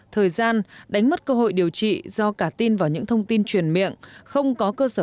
thời gian đánh mất cơ hội điều trị do cả tin vào những thông tin truyền miệng không có cơ sở